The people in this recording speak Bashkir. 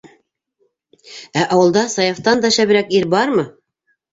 Ә ауылда Саяфтан да шәберәк ир бармы?